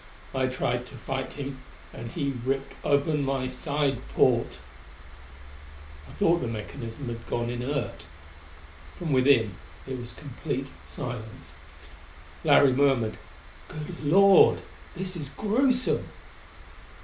I tried to fight him, and he ripped open my side porte...." I thought the mechanism had gone inert. From within it was complete silence. Larry murmured, "Good Lord, this is gruesome!"